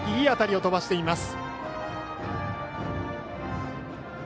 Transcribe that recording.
当たりを飛ばしています。